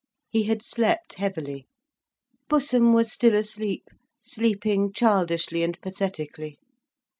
He had slept heavily. Pussum was still asleep, sleeping childishly and pathetically.